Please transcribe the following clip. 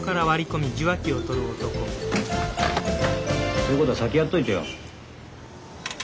そういうことは先やっといてよ。